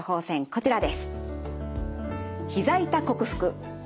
こちらです。